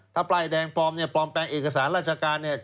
ถ้าป้ายแดงปลอมปลอมแปลงเอกสารราชการ